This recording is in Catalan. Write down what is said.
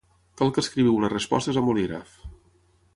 Cal que escriviu les respostes amb bolígraf.